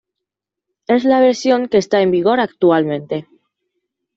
Es la versión que está en vigor actualmente.